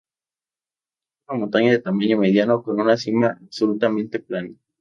Es una montaña de tamaño mediano con una cima absolutamente plana.